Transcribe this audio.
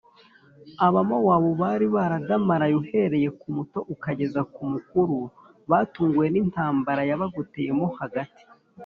Abamowabu bari baradamaraye uhereye ku muto ukageza ku mukuru batunguwe n’intambara yabagoteyemo hagati.